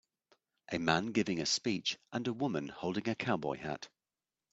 A man giving a speech, and a woman holding a cowboy hat.